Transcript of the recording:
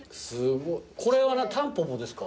これはタンポポですか？